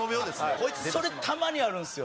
こいつそれたまにあるんすよ